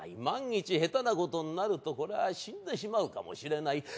万一下手なことになるとこれは死んでしまうかもしれない。